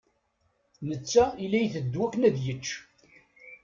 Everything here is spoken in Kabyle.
Netta ila iteddu akken ad yečč.